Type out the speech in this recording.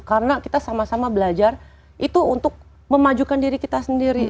karena kita sama sama belajar itu untuk memajukan diri kita sendiri